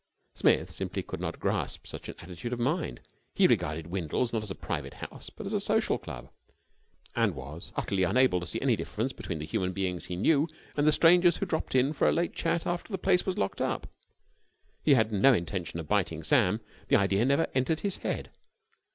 Smith simply could not grasp such an attitude of mind. He regarded Windles not as a private house but as a social club, and was utterly unable to see any difference between the human beings he knew and the strangers who dropped in for a late chat after the place was locked up. He had no intention of biting Sam. The idea never entered his head.